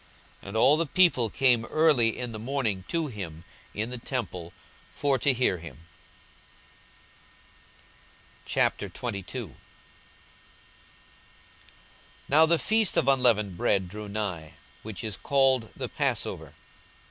42:021:038 And all the people came early in the morning to him in the temple, for to hear him. 42:022:001 Now the feast of unleavened bread drew nigh, which is called the Passover.